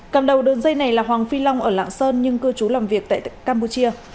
cầm đầu đường dây này là hoàng phi long ở lạng sơn nhưng cư trú làm việc tại campuchia